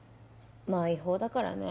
まあ違法だからね。